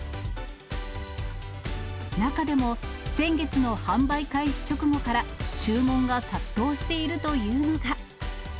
中でも、先月の販売開始直後から注文が殺到しているというのが。